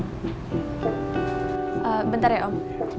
ehm bentar ya om